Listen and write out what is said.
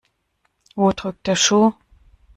Wo drückt der Schuh?